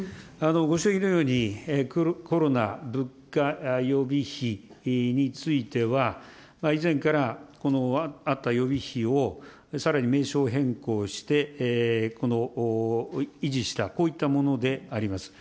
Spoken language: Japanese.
ご指摘のように、コロナ・物価予備費については、以前からあった予備費を、さらに名称変更して、維持した、こういったものであります。